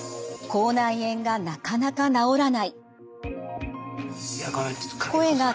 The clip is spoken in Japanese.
口内炎がなかなか治らない。